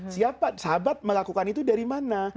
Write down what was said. siapa sahabat melakukan itu dari mana